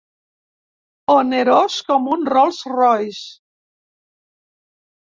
Onerós com un Rolls Royce.